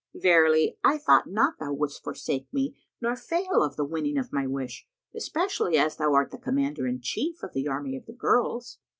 Verily, I thought not thou wouldst forsake me nor fail of the winning of my wish, especially as thou art the Commander in chief of the army of the girls."